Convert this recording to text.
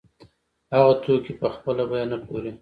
هغه توکي په خپله بیه نه پلوري